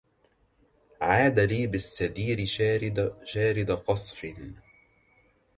عاد لي بالسدير شارد قصف